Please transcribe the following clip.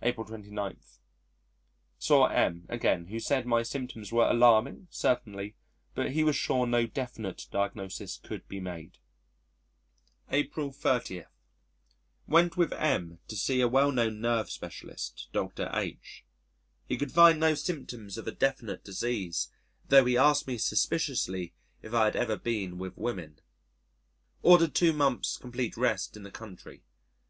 April 29. Saw M again, who said my symptoms were alarming certainly, but he was sure no definite diagnosis could be made. April 30. Went with M to see a well known nerve specialist Dr. H . He could find no symptoms of a definite disease, tho' he asked me suspiciously if I had ever been with women. Ordered two months' complete rest in the country.